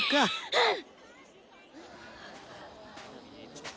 うん。